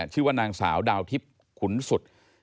ชื่อว่านางสาวดาวทิพย์ขุนสุด